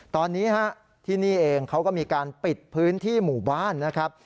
ตอนนี้ที่นี่เองเขาก็มีการปิดพื้นที่หมู่บ้านนะครับ